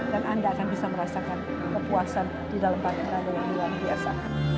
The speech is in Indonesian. dan anda akan bisa merasakan kepuasan di dalam peraduan peraduan biasa